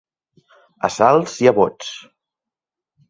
A salts i a bots.